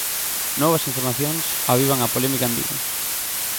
Novas informacións avivan a polémica en Vigo.